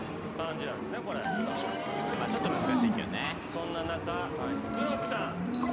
そんな中黒木さん。